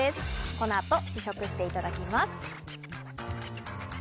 この後、試食していただきます。